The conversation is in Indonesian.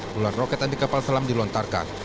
puluhan roket anti kapal selam dilontarkan